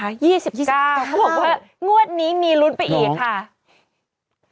เขาบอกว่างวดนี้มีลุ้นไปอีกค่ะ